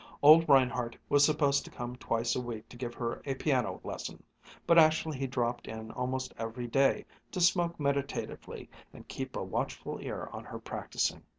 Old Reinhardt was supposed to come twice a week to give her a piano lesson, but actually he dropped in almost every day to smoke meditatively and keep a watchful ear on her practising.